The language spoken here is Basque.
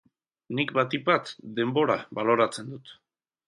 Nik batik bat denbora baloratzen dut.